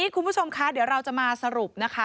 คุณผู้ชมคะเดี๋ยวเราจะมาสรุปนะคะ